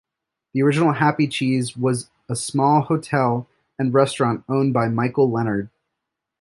The original Happy Cheese was a small hotel and restaurant owned by Micheal Leonard.